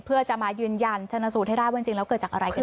เพื่อจะมายืนยันชนสูตรให้ได้ว่าจริงแล้วเกิดจากอะไรกัน